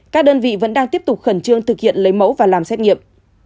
các đơn vị vẫn đang tiếp tục khẩn trương thực hiện lấy mẫu và làm xét nghiệm